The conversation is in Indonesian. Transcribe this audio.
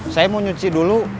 saya mau nyuci dulu